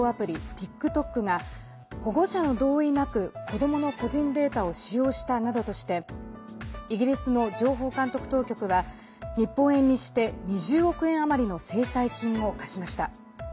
ＴｉｋＴｏｋが保護者の同意なく子どもの個人データを使用したなどとしてイギリスの情報監督当局は日本円にして２０億円余りの制裁金を科しました。